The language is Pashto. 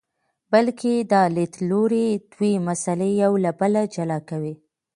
بلکې دا لیدلوری دوه مسئلې له یو بل جلا کوي.